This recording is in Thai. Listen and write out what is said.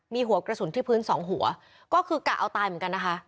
มีหัวกระสุนที่พื้นสองหัวก็คือกะเอาตายเหมือนกันนะคะ